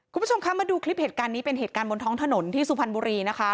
คุณผู้ชมคะมาดูคลิปเหตุการณ์นี้เป็นเหตุการณ์บนท้องถนนที่สุพรรณบุรีนะคะ